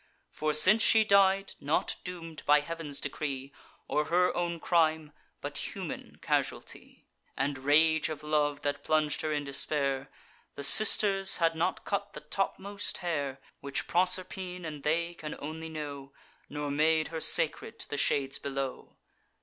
For since she died, not doom'd by Heav'n's decree, Or her own crime, but human casualty, And rage of love, that plung'd her in despair, The Sisters had not cut the topmost hair, Which Proserpine and they can only know; Nor made her sacred to the shades below.